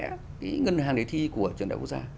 cái ngân hàng đề thi của trường đại học quốc gia